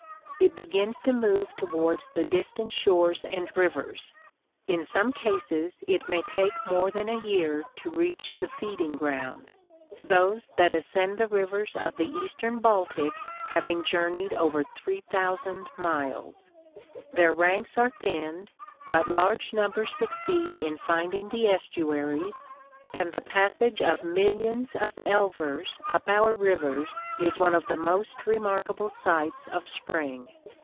It begins to move towards the distant shores and rivers. In some cases it may take more than a year to reach the feeding ground — those that ascend the rivers of the eastern Baltic having journeyed over three thousand miles. Their ranks are thinned, but large numbers succeed in finding the estuaries, and the passage of millions of elvers up our rivers is one of the most remarkable sights of Spring.